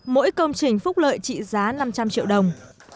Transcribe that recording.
mỗi công trình phúc lợi trị giá năm trăm linh triệu đồng